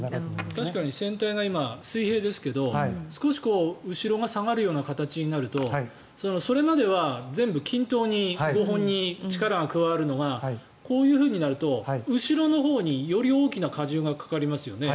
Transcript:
確かに今船体が水平ですが少し後ろが下がるような形になるとそれまでは全部均等に５本に力が加わるのがこういうふうになると後ろのほうにより大きな荷重がかかりますよね。